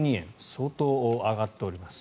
相当上がっております。